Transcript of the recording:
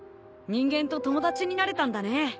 人間と友達になれたんだね。